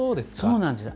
そうなんです。